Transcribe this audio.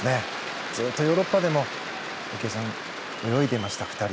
ずっとヨーロッパでも池江さん、泳いでいました。